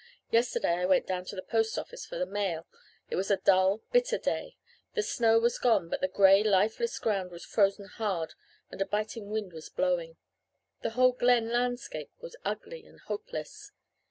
Yesterday I went down to the post office for the mail. It was a dull, bitter day. The snow was gone but the grey, lifeless ground was frozen hard and a biting wind was blowing. The whole Glen landscape was ugly and hopeless.